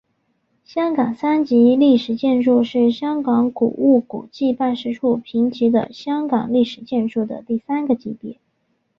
香港三级历史建筑是香港古物古迹办事处评级的香港历史建筑的第三个级别。